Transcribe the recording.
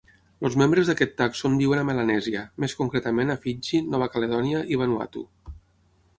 Els membres d'aquest tàxon viuen a Melanèsia, més concretament a Fiji, Nova Caledònia i Vanuatu.